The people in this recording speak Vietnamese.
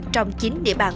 trong chính địa bàn